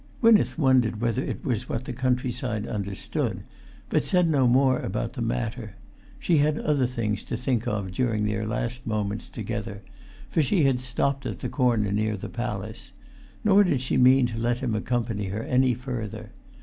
Gwynneth wondered whether it was what the countryside understood; but said no more about the matter. She had other things to think of during their last moments together; for she had stopped at the corner near the palace; nor did she mean to let him accompany her any further.